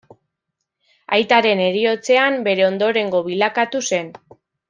Aitaren heriotzean, bere ondorengo bilakatu zen.